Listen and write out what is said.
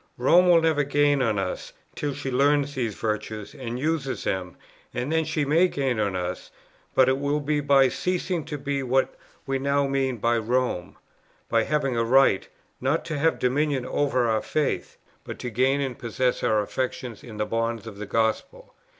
Rome will never gain on us, till she learns these virtues, and uses them; and then she may gain us, but it will be by ceasing to be what we now mean by Rome, by having a right, not to 'have dominion over our faith,' but to gain and possess our affections in the bonds of the gospel.